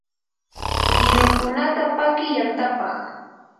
qirukunata paki yantapaq.